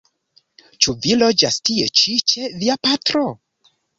Ĉu vi logas tie ĉi ĉe via patro?